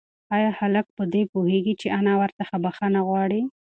ایا هلک په دې پوهېږي چې انا ورڅخه بښنه غواړي؟